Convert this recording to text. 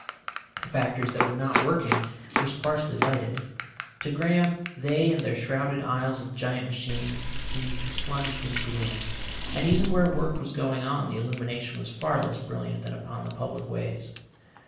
The factories that were not working were sparsely lighted; to Graham they and their shrouded aisles of giant machines seemed plunged in gloom, and even where work was going on the illumination was far less brilliant than upon the public ways.